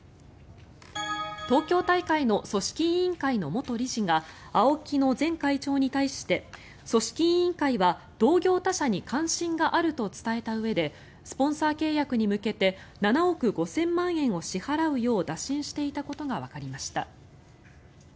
東京大会の組織委員会の元理事がＡＯＫＩの前会長に対して組織委員会は同業他社に関心があると伝えたうえでスポンサー契約に向けて７億５０００万円を支払うよう打診していたことがわかりました。